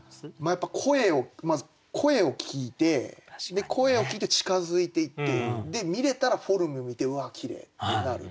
やっぱまず声を聞いてで声を聞いて近づいていって見れたらフォルム見てうわっきれいってなる。